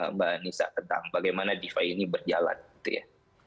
mbak anissa tentang bagaimana defi ini berjalan gitu ya